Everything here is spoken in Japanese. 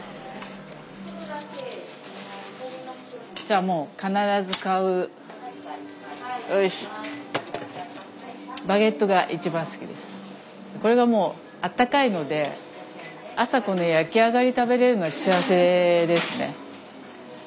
じゃあもう必ず買うこれがもうあったかいので朝この焼き上がり食べれるのは幸せですね。